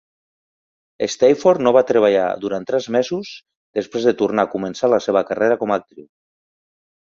Stafford no va treballar durant tres mesos després de tornar a començar la seva carrera com a actriu.